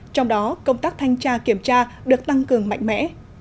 trong đó công tác thanh tra kiểm tra được tăng cường mạnh mẽ